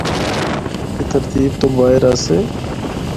اے ترتیب تو باہر آسے۔